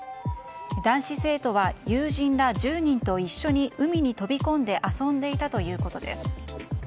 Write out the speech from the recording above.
男子生徒は友人ら１０人と一緒に海に飛び込んで遊んでいたということです。